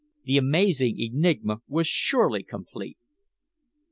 The amazing enigma was surely complete!